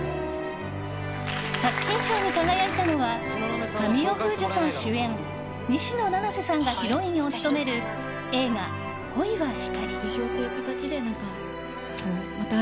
作品賞に輝いたのは神尾楓珠さん主演西野七瀬さんがヒロインを務める映画「恋は光」。